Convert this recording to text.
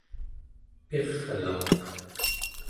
pirlaaq